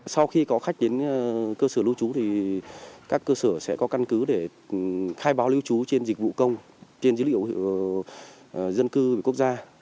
sau khi có khách đến cơ sở lưu trú thì các cơ sở sẽ có căn cứ để khai báo lưu trú trên dịch vụ công trên dữ liệu dân cư quốc gia